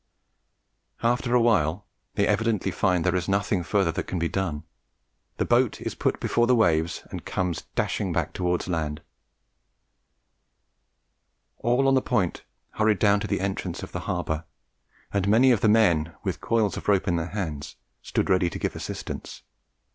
After a while they evidently find there is nothing further that can be done; the boat is put before the waves and comes dashing back towards land. "All on the Point hurried down to the entrance of the harbour; and many of the men, with coils of rope in their hands, stood ready to give assistance.